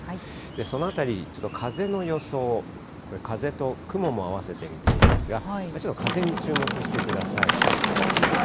そのあたり、ちょっと風の予想、これ風と雲も合わせて見ていますが、ちょっと風に注目してくださ北寄りです。